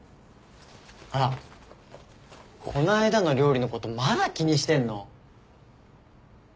あっこないだの料理のことまだ気にしてんの？